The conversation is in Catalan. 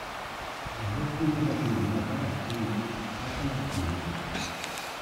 Els dos primers equips de cadascuna passen a la final.